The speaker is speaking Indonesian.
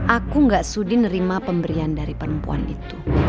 aku gak sudin nerima pemberian dari perempuan itu